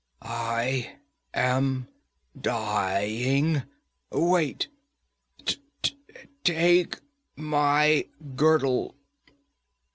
I am dying. Wait take my girdle.'